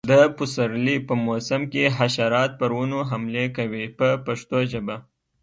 د پسرلي په موسم کې حشرات پر ونو حملې کوي په پښتو ژبه.